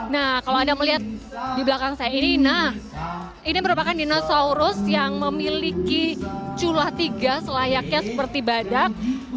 nah kalau ada yang melihat di belakang saya ini ini merupakan dinosaurus yang memiliki culah tiga selayaknya seperti badak